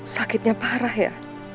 sakitnya parah ya